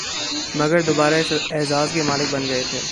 مگر دوبارہ اس اعزاز کے مالک بن گئے تھے